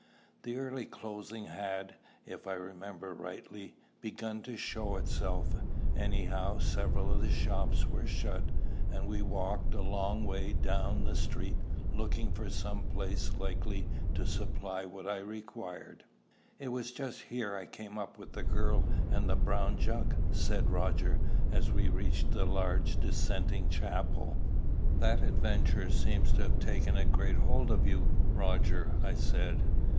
The early closing had, if I remember rightly, begun to show itself; anyhow, several of the shops were shut, and we walked a long way down the street, looking for some place likely to supply what I required. "It was just here I came up with the girl and the brown jug," said Roger, as we reached the large dissenting chapel. "That adventure seems to have taken a great hold of you, Roger," I said.